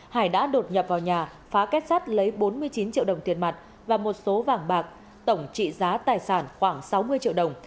hải đã đột nhập vào nhà phá kết sát lấy bốn mươi chín triệu đồng tiền mặt và một số vàng bạc tổng trị giá tài sản khoảng sáu mươi triệu đồng